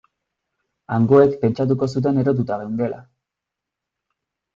Hangoek pentsatuko zuten erotuta geundela.